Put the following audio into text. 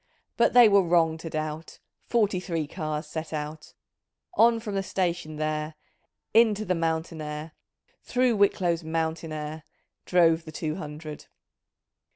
But they were wrong to doubt — Forty three cars set out, On from the station there, Into the mountain air — Through Wicklow's mountain air — Drove the two hundred.